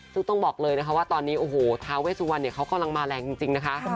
ซึ่งต้องบอกเลยนะคะว่าตอนนี้โอ้โหท้าเวสุวรรณเขากำลังมาแรงจริงนะคะ